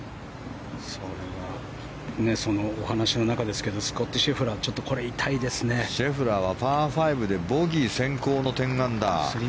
そのお話の中ですがスコッティ・シェフラーシェフラーはパー５でボギー先行の１０アンダー。